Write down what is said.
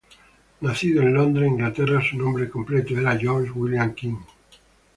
Nacido en Londres, Inglaterra, su nombre completo era George William King.